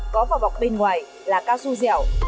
có vào bọc bên ngoài là cao su dẻo